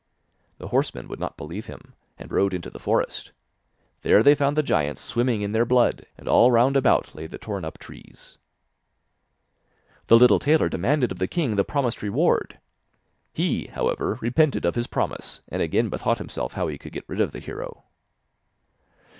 The horsemen would not believe him, and rode into the forest; there they found the giants swimming in their blood, and all round about lay the torn up trees. The little tailor demanded of the king the promised reward; he, however, repented of his promise, and again bethought himself how he could get rid of the hero.